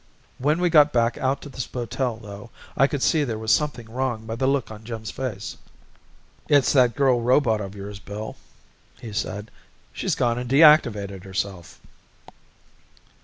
When we got back out to the spotel, though, I could see there was something wrong by the look on Jim's face. "It's that girl robot of yours, Bill," he said. "She's gone and deactivated herself."